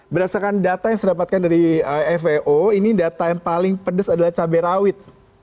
berdasarkan data yang saya dapatkan dari fao ini data yang paling pedes adalah cabai rawit